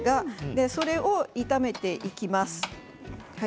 それを炒めていきます。